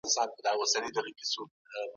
پارلمان د سولي پروسه نه خرابوي.